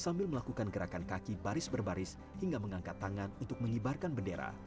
sambil melakukan gerakan kaki baris berbaris hingga mengangkat tangan untuk mengibarkan bendera